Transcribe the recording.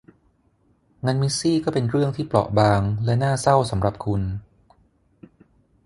งั้นมิสซี่ก็เป็นเรื่องที่เปราะบางและน่าเศร้าสำหรับคุณ